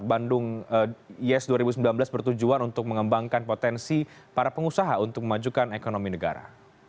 bandung yes dua ribu sembilan belas bertujuan untuk mengembangkan potensi para pengusaha untuk memajukan ekonomi negara